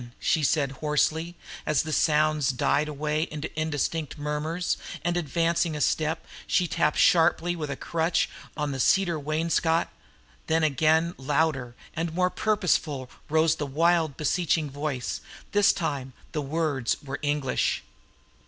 she said hoarsely, as the sounds died away into indistinct murmurs, and advancing a step she tapped sharply with a crutch on the cedar wainscot; then again louder and more purposeful rose the wild beseeching voice; this time the words were English.